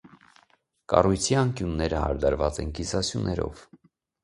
Կառույցի անկյունները հարդարված են կիսասյուներով։